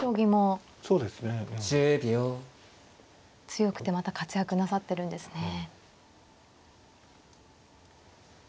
強くてまた活躍なさってるんですね。